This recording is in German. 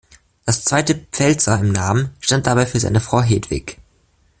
Das zweite „Peltzer“ im Namen stand dabei für seine Frau Hedwig.